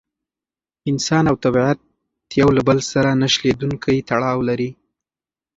انسان او طبیعت یو له بل سره نه شلېدونکی تړاو لري.